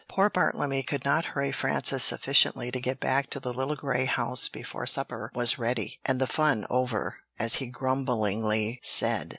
Poor Bartlemy could not hurry Frances sufficiently to get back to the little grey house before supper was ready, and "the fun over," as he grumblingly said.